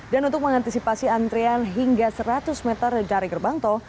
dan untuk mengantisipasi antrian hingga seratus meter dari gerbang tol